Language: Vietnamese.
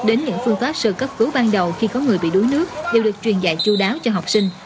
đến những phương pháp sơ cấp cứu ban đầu khi có người bị đuối nước đều được truyền dạy chú đáo cho học sinh